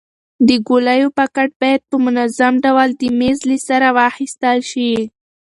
د ګولیو پاکټ باید په منظم ډول د میز له سره واخیستل شي.